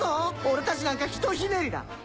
俺たちなんかひとひねりだ。